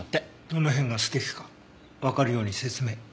どの辺が素敵かわかるように説明。